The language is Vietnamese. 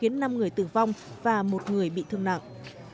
người tử vong và một người bị thương nặng